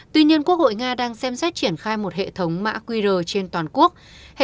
tuy nhiên quốc hội nga đang xem xét triển khai một hệ thống mã quy định